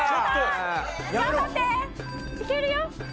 いけるよ！